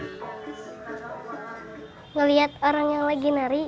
saya melihat orang yang sedang menari